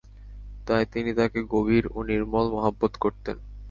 তাই তিনি তাঁকে গভীর ও নির্মল মহব্বত করতেন।